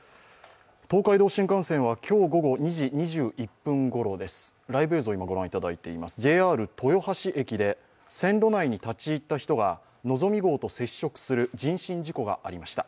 東海道新幹線は今日午後２時２１分ごろ、ライブ映像をご覧いただいています、ＪＲ豊橋駅で、線路内に立ち入った人が「のぞみ号」と接触する人身事故がありました。